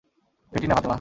Fatty না, ফাতেমা।